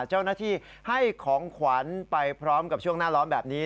เจ้าหน้าที่ให้ของขวัญไปพร้อมกับช่วงหน้าร้อนแบบนี้